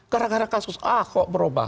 gara gara kasus ahok berubah